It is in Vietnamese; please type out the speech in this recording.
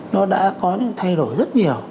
nó đã có những thay đổi rất nhiều